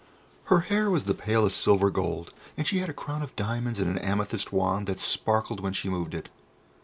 Her hair was the palest silver gold, and she had a crown of diamonds and an amethyst wand that sparkled when she moved it.